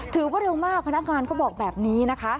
ถือว่าเร็วมากพนักงานก็บอกแบบนี้นะคะ